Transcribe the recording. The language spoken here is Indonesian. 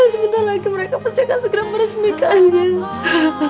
sebentar lagi mereka pasti akan segera meresmikannya